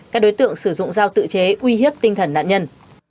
các đối tượng sử dụng dao tự chế uy hiếp tinh thần nạn nhân